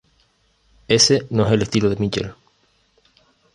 Ese no es el estilo de Michael.